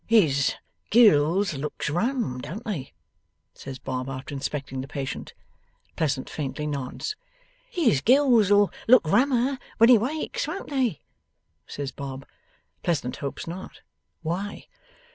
'His gills looks rum; don't they?' says Bob, after inspecting the patient. Pleasant faintly nods. 'His gills'll look rummer when he wakes; won't they?' says Bob. Pleasant hopes not. Why?